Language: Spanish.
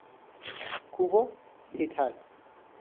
Kubo "et al.